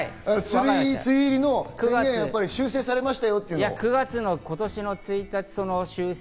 梅雨入り宣言が修正されましたよと。